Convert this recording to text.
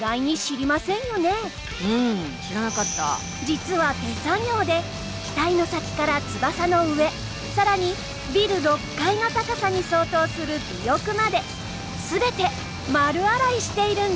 実は手作業で機体の先から翼の上更にビル６階の高さに相当する尾翼まで全て丸洗いしているんです。